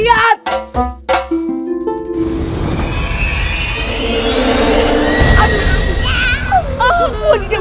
aku akan beruang